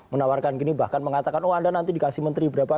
menawarkan gini bahkan mengatakan oh anda nanti dikasih menteri berapa